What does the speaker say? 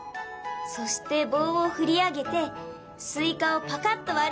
そして棒を振り上げてスイカをパカッと割る。